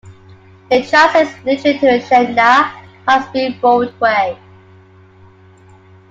It translates literally to Shenda high-speed roadway.